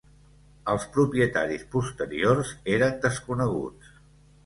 Els propietaris posteriors eren desconeguts.